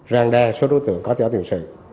rang đa số đối tượng có thiếu hóa tiền sự